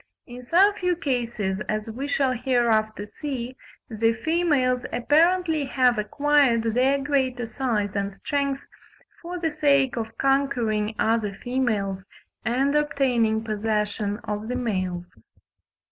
In some few cases, as we shall hereafter see, the females apparently have acquired their greater size and strength for the sake of conquering other females and obtaining possession of the males.